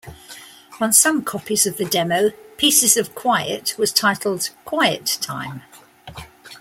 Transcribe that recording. On some copies of the demo, "Pieces of Quiet" was titled "Quiet Time".